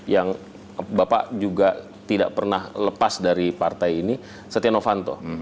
yang bapak juga tidak pernah lepas dari partai ini setia novanto